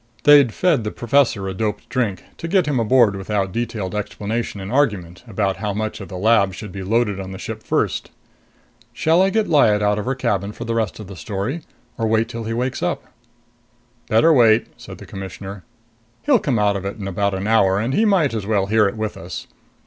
They'd fed the professor a doped drink to get him aboard without detailed explanation and argument about how much of the lab should be loaded on the ship first. "Shall I get Lyad out of her cabin for the rest of the story or wait till he wakes up?" "Better wait," said the Commissioner. "He'll come out of it in about an hour, and he might as well hear it with us.